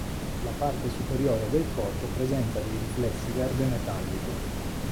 La parte superiore del corpo presenta dei riflessi verde metallico.